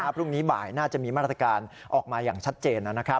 พรุ่งนี้บ่ายน่าจะมีมาตรการออกมาอย่างชัดเจน